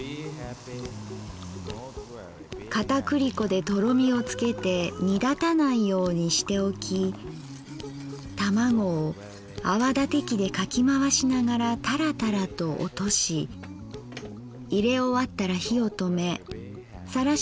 片栗粉でとろみをつけて煮だたないようにしておき玉子を泡立て器でかきまわしながらタラタラと落としいれ終わったら火をとめさらし